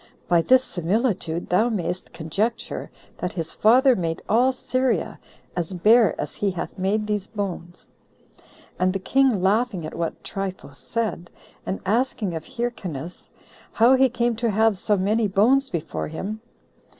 by this similitude thou mayst conjecture that his father made all Syria as bare as he hath made these bones." And the king laughing at what Trypho said, and asking of Hyrcanus, How he came to have so many bones before him?